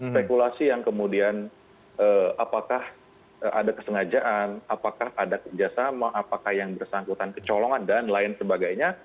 spekulasi yang kemudian apakah ada kesengajaan apakah ada kerjasama apakah yang bersangkutan kecolongan dan lain sebagainya